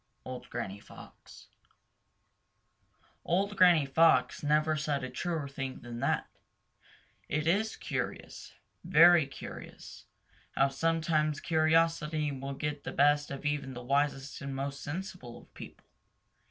—Old Granny Fox. Old Granny Fox never said a truer thing than that. It is curious, very curious, how sometimes curiosity will get the best of even the wisest and most sensible of people.